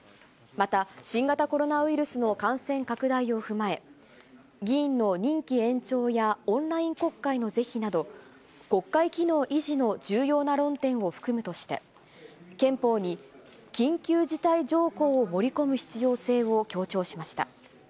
また、新型コロナウイルスの感染拡大を踏まえ、議員の任期延長やオンライン国会の是非など、国会機能維持の重要な論点を含むとして、憲法に緊急事態条項を盛り込む必要性を強調しました。